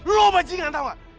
lo bajingan tau gak